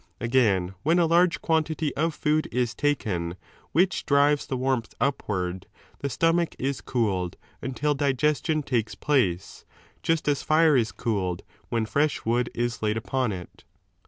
Again, when a large quantity of food is taken, which drives the warmth upward, the stomach is cooled, until digestion takes place, just as fire is cooled when fresh wood is laid upon it.